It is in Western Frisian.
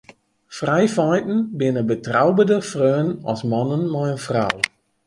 Frijfeinten binne betrouberder freonen as mannen mei in frou.